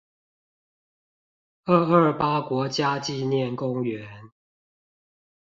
二二八國家紀念公園